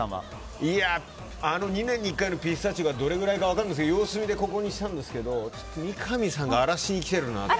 あの２年に１回のピスタチオがどれくらいか分からないんですけど様子見でこれくらいにしたんですけど三上さんが荒らしにきているなと。